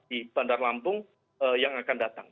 di bandar lampung yang akan datang